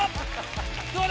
どうだ？